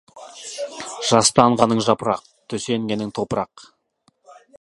Жастанғаның жапырақ, төсенгенің топырақ.